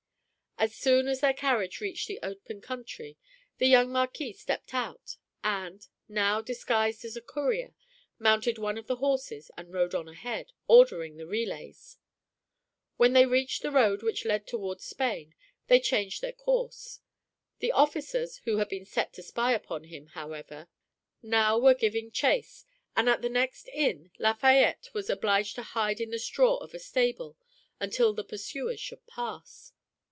As soon as their carriage reached the open country the young Marquis stepped out, and, now disguised as a courier, mounted one of the horses and rode on ahead, ordering the relays. When they reached the road which led toward Spain they changed their course. The officers who had been set to spy upon him, however, now were giving chase, and at the next inn Lafayette was obliged to hide in the straw of a stable until the pursuers should pass.